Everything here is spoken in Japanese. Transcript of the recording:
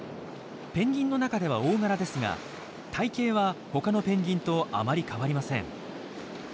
ペンギンの中では大柄ですが体形はほかのペンギンとあまり変わりません。